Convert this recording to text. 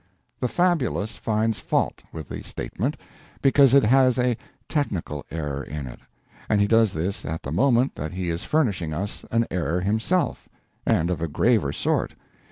The fabulist finds fault with the statement because it has a technical error in it; and he does this at the moment that he is furnishing us an error himself, and of a graver sort.